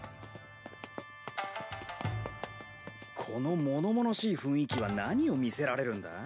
この物々しい雰囲気は何を見せられるんだ？